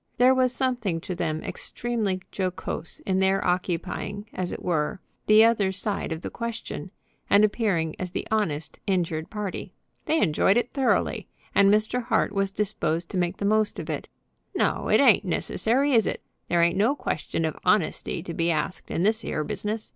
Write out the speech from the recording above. There was something to them extremely jocose in their occupying, as it were, the other side of the question, and appearing as the honest, injured party. They enjoyed it thoroughly, and Mr. Hart was disposed to make the most of it. "No; it ain't necessary; is it? There ain't no question of honesty to be asked in this 'ere business.